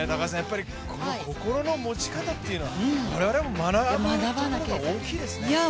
心の持ち方っていうのは我々も学ぶところが大きいですね。